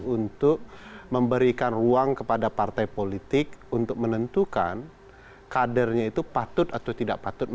untuk memberikan ruang kepada partai politik untuk menentukan kadernya itu patut atau tidak patut